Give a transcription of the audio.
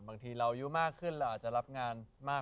บางทีเราอายุมากขึ้นเราอาจจะรับงานมาก